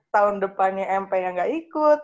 tahun depannya mp yang gak ikut